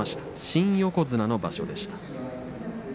新横綱の場所でした。